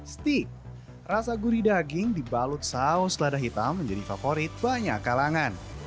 stik rasa gurih daging dibalut saus lada hitam menjadi favorit banyak kalangan